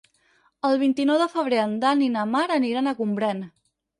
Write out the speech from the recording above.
El vint-i-nou de febrer en Dan i na Mar aniran a Gombrèn.